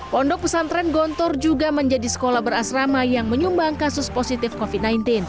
pondok pesantren gontor juga menjadi sekolah berasrama yang menyumbang kasus positif covid sembilan belas